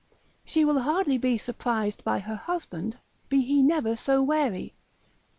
she will hardly be surprised by her husband, be he never so wary.